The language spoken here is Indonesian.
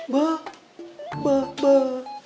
bah bah bah